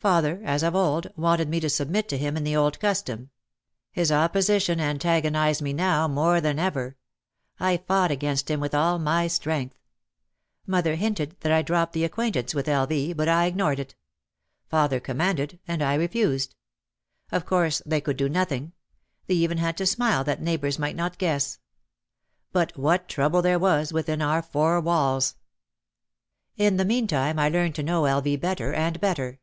Father, as of old, wanted me to submit to him in the old custom. His opposition antagonised me now more than ever. I fought against him with all my strength. Mother hinted that I drop the acquaintance with L. V. but I ignored it. Father commanded and I refused. Of course, they could do nothing. They even had to smile that neighbours might not guess. But what trouble there was within our four walls! OUT OF THE SHADOW 295 In the meantime I learned to know L. V. better and better.